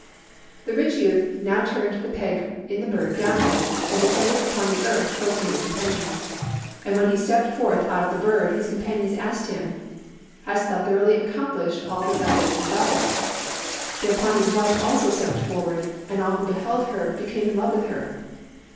"The rich youth now turned the peg in the bird downwards, and descended upon the earth close to his companions. And when he stepped forth out of the bird, his companions asked him, 'Hast thou thoroughly accomplished all that thou didst desire?' Thereupon his wife also stepped forth, and all who beheld her became in love with her.